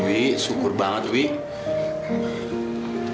wih syukur banget wih